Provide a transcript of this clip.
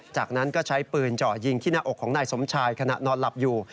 จากนั้นก็ใช้ปืนเจาะยิงที่หน้าอกของนายสมชายขณะนอนหลับอยู่